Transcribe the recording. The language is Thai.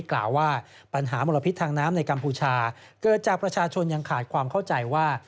กล่าวว่าปัญหามลพิษทางน้ำในกัมพูชาเกิดจากประชาชนยังขาดความเข้าใจว่า